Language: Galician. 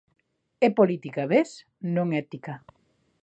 É política, ves?, non ética.